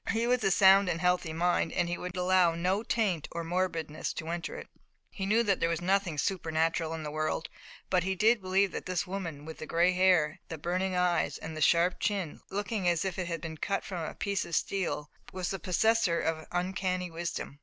His was a sound and healthy mind, and he would allow no taint of morbidness to enter it. He knew that there was nothing supernatural in the world, but he did believe that this woman with the gray hair, the burning eyes and the sharp chin, looking as if it had been cut from a piece of steel, was the possessor of uncanny wisdom.